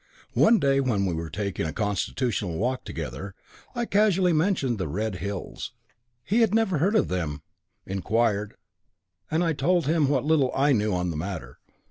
One day when we were taking a constitutional walk together, I casually mentioned the "Red Hills." He had never heard of them, inquired, and I told him what little I knew on the matter.